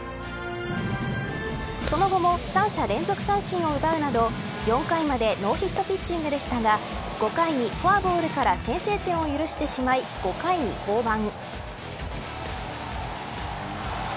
その後も三者連続三振を奪うなど４回までノーヒットピッチングでしたが５回にフォアボールから先制点を許してしまい５回に降板。